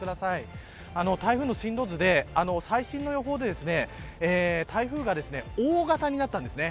台風の進路図で最新の予報で台風が大型になったんですね。